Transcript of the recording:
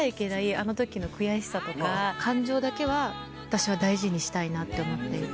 あの時の悔しさとか感情だけは私は大事にしたいなって思っていて。